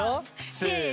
せの！